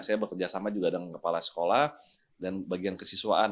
saya bekerjasama juga dengan kepala sekolah dan bagian kesiswaan